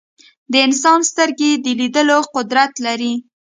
د انسان سترګې د لیدلو قدرت لري.